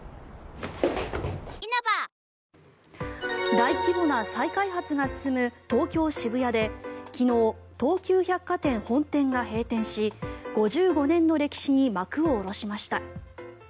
大規模な再開発が進む東京・渋谷で昨日、東急百貨店本店が閉店し５５年の歴史に幕を下ろしました。